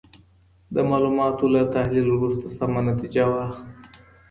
د معلوماتو له تحلیل وروسته سمه نتیجه واخلئ.